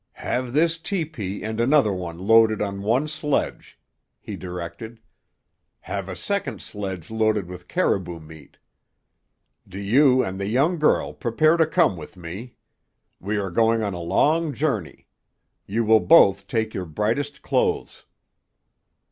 "Have this tepee and another one loaded on one sledge," he directed. "Have a second sledge loaded with caribou meat. Do you and the young girl prepare to come with me. We are going on a long journey. You will both take your brightest clothes."